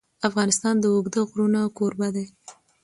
افغانستان د اوږده غرونه کوربه دی.